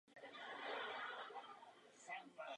Macintosh je dřívější označení rodiny osobních počítačů.